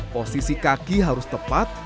posisi kaki harus tepat